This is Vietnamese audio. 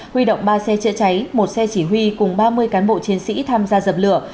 huy động ba xe chữa cháy một xe chỉ huy cùng ba mươi cán bộ chiến sĩ tham gia dập lửa